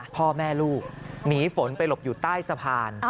พ่อแม่ลูกหนีฝนไปหลบอยู่ใต้สะพาน